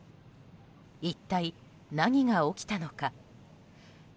一体、何が起きたのか。